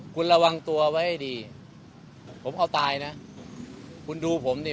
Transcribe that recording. คุณระวังตัวไว้ให้ดีผมเอาตายนะคุณดูผมนี่